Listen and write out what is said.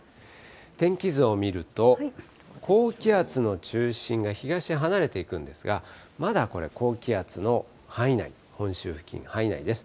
天気図を見ると、高気圧の中心が東へ離れていくんですが、まだこれ、高気圧の範囲内、本州付近、範囲内です。